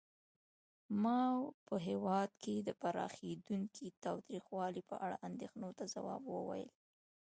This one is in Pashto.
ماوو په هېواد کې د پراخېدونکي تاوتریخوالي په اړه اندېښنو ته ځواب وویل.